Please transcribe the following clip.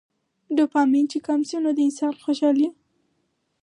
ډوپامين چې کم شي نو د انسان څوشالي